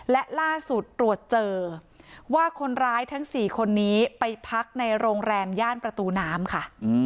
และล่าสุดตรวจเจอว่าคนร้ายทั้ง๔คนนี้ไปพักในโรงแรมย่านประตูน้ำค่ะ